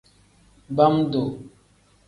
Bam-duu.